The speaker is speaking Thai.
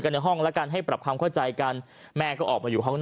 ในห้องแล้วกันให้ปรับความเข้าใจกันแม่ก็ออกมาอยู่ห้อง